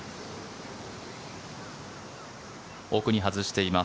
奥に外しています